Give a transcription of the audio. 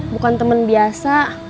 bukan temen biasa